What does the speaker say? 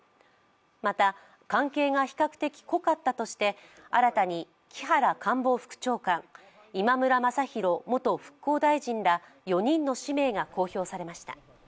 また、関係が比較的濃かったとして新たに木原官房副長官今村雅弘元復興大臣ら４人の氏名が公表されました。